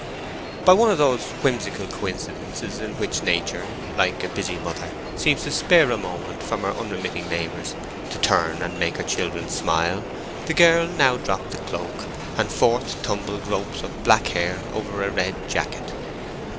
By one of those whimsical coincidences in which Nature, like a busy mother, seems to spare a moment from her unremitting labours to turn and make her children smile, the girl now dropped the cloak, and forth tumbled ropes of black hair over a red jacket.